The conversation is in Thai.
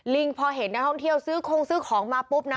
พอเห็นนักท่องเที่ยวซื้อคงซื้อของมาปุ๊บนะ